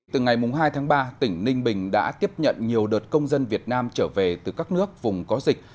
từ ngày hai tháng ba tỉnh ninh bình đã tiếp nhận nhiều đợt công dân việt nam trở về từ các nước vùng có dịch